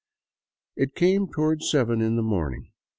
It came toward seven in the morning.